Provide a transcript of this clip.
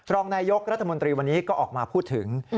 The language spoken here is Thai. รองนายยกรัฐมนตรีวันนี้ก็ออกมาพูดถึง